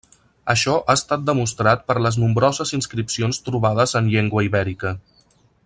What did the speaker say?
Això ha estat demostrat per les nombroses inscripcions trobades en llengua ibèrica.